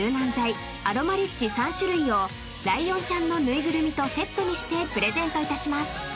３種類をライオンちゃんの縫いぐるみとセットにしてプレゼントいたします］